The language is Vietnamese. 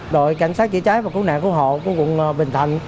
đội cảnh sát chữa cháy và cứu nạn cứu hộ của quận bình thạnh